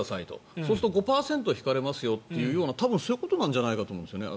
そうすると５％引かれますよという多分そういうことじゃないかなと思うんですね。